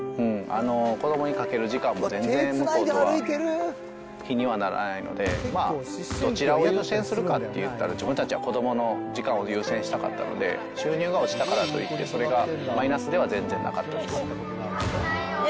子どもにかける時間も全然、向こうとは比にはならないので、まあ、どちらを優先するかっていったら、自分たちは子どもの時間を優先したかったので、収入が落ちたからといって、それがマイナスでは全然なかったです